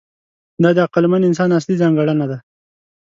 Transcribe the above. دا د عقلمن انسان اصلي ځانګړنه ده.